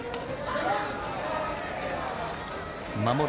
守る